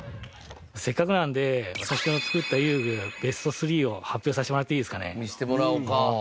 せっかくなので私が作った遊具ベスト３を発表させてもらっていいですかね？